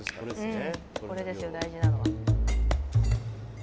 これですよ大事なのは。